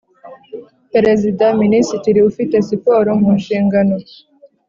Perezida Minisitiri ufite Siporo mu nshingano